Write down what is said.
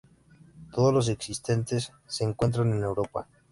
Todos los existentes se encuentran en Europa.